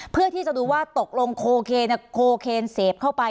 เพื่อที่จะดูว่าตกลงโคเคนเสพเข้าไป